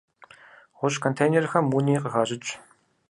Гъущӏ контейнерхэм уни къыхащӏыкӏ.